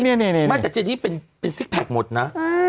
มากนะเจนี่เป็นซิคแพทซ์หมดน่ะ